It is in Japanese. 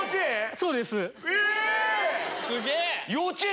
そうです。